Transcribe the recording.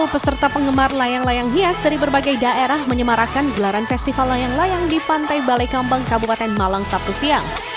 sepuluh peserta penggemar layang layang hias dari berbagai daerah menyemarakan gelaran festival layang layang di pantai balai kambang kabupaten malang sabtu siang